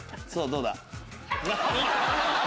どうだ？